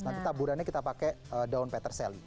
nah kita taburannya kita pakai daun peterseli